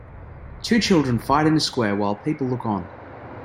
Two children fight in a square while people look on.